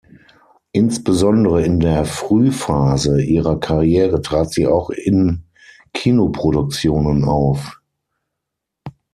Insbesondere in der Frühphase ihrer Karriere trat sie auch Kinoproduktionen auf.